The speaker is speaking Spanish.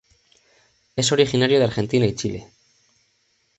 Es originario de Argentina y Chile.